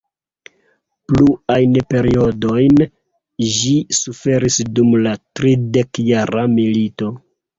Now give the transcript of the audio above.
Pluajn perdojn ĝi suferis dum la tridekjara milito.